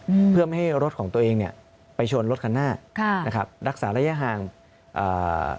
อืมเพื่อไม่ให้รถของตัวเองเนี้ยไปชนรถคันหน้าค่ะนะครับรักษาระยะห่างอ่า